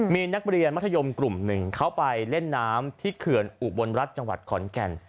มีนักเรียนมัธยมกลุ่มหนึ่งเขาไปเล่นน้ำที่เขื่อนอุบลรัฐจังหวัดขอนแก่น